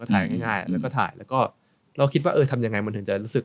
ถ่ายง่ายแล้วก็ถ่ายแล้วก็เราคิดว่าเออทำยังไงมันถึงจะรู้สึก